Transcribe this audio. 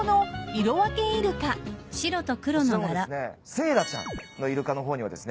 セーラちゃんのイルカの方にはですね